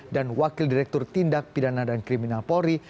dan wakil direktur tindak pidana dan kriminal polri